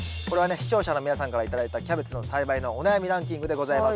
視聴者の皆さんから頂いたキャベツの栽培のお悩みランキングでございます。